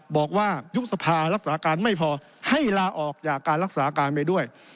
ยุบสภารักษาการไม่พอให้ลาออกจากการรักษาการไปด้วย